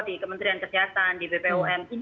di kementerian kesehatan di bpom ini